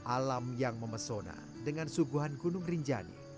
alam yang memesona dengan suguhan gunung rinjani